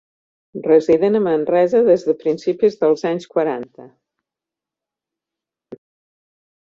Resident a Manresa des de principis dels anys quaranta.